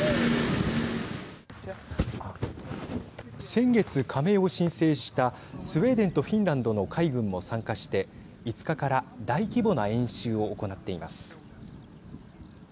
先月、加盟を申請したスウェーデンとフィンランドの海軍も参加して５日から大規模な演習を行っています。